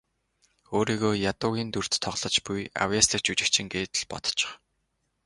Өөрийгөө ядуугийн дүрд тоглож буй авъяаслагжүжигчин гээд л бодчих.